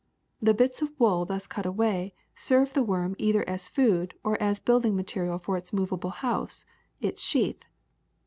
The bits of wool thus cut away serve the worm either as food or as building mate rial for its movable house, its sheath.